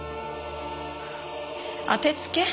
当てつけ？